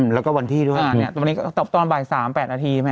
แล้วก็วันที่ด้วยตรงนี้ก็ตอบตอนบ่าย๓๘นาทีแม่